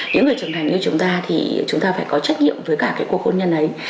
những người trưởng thành như chúng ta thì chúng ta phải có trách nhiệm với cả cái cuộc hôn nhân ấy